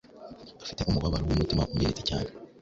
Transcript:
Afite umubabaro n’umutima umenetse cyane